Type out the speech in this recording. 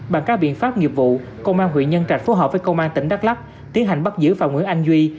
bằng các biện pháp nghiệp vụ công an huyện nhân trạch phối hợp với công an tỉnh đắk lắc tiến hành bắt giữ phạm nguyễn anh duy